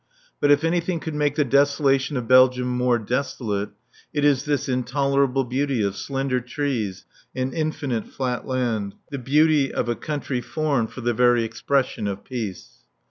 But if anything could make the desolation of Belgium more desolate it is this intolerable beauty of slender trees and infinite flat land, the beauty of a country formed for the very expression of peace.